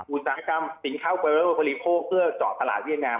อุตสาหกรรมสิงค์แห้วประโยชน์บริโภคเพื่อเจาะภาระเวียดนาม